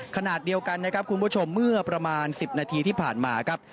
ขณะเดียวกันนะครับคุณผู้ชมเมื่อประมาณ๑๐นาทีที่ผ่านมาครับ